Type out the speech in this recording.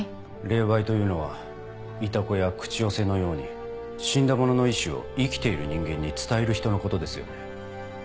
霊媒というのはイタコや口寄せのように死んだ者の意思を生きている人間に伝える人のことですよね。